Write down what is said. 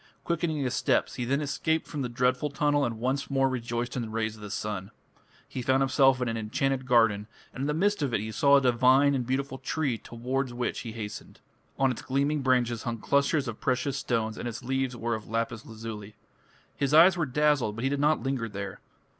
Quickening his steps, he then escaped from the dreadful tunnel and once more rejoiced in the rays of the sun. He found himself in an enchanted garden, and in the midst of it he saw a divine and beautiful tree towards which he hastened. On its gleaming branches hung clusters of precious stones and its leaves were of lapis lazuli. His eyes were dazzled, but he did not linger there.